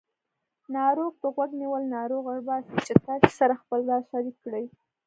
ناروغ ته غوږ نیول ناروغ اړباسي چې تاسې سره خپل راز شریک کړي